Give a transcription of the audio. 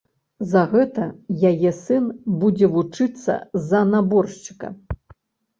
За гэта яе сын будзе вучыцца за наборшчыка.